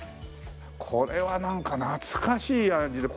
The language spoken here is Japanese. これはなんか懐かしい感じで。